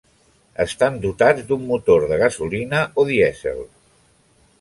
Estan dotats d'un motor de gasolina o dièsel.